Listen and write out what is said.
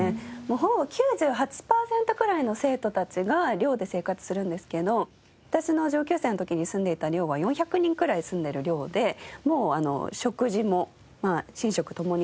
ほぼ９８パーセントくらいの生徒たちが寮で生活するんですけど私の上級生の時に住んでいた寮は４００人くらい住んでいる寮でもう食事も寝食を共にするっていう。